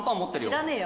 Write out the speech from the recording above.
知らねえよ